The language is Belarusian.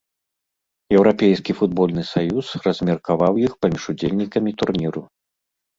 Еўрапейскі футбольны саюз размеркаваў іх паміж удзельнікамі турніру.